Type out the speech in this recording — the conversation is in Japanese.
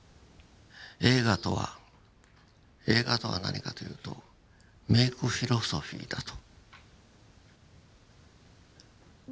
映画とは映画とは何かと言うと「メイク・フィロソフィー」だと。